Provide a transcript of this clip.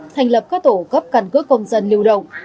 thành lập các tổ cấp căn cước công dân lưu động